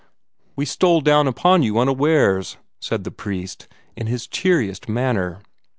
"We stole down upon you unawares," said the priest, in his cheeriest manner.